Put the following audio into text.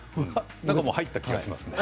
もう入った気がしますね。